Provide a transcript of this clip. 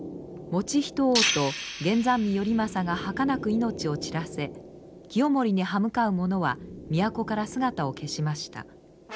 以仁王と源三位頼政がはかなく命を散らせ清盛に刃向かう者は都から姿を消しました。